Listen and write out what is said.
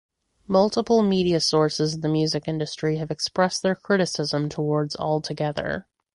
Multiple media sources in the music industry have expressed their criticism towards "Altogether".